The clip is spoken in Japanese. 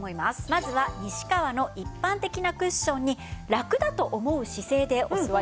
まずは西川の一般的なクッションにラクだと思う姿勢でお座りください。